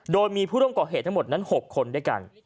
โดยมีผู้ร่วมก่อเหตุทั้งหมดนั้น๖คนด้วยกัน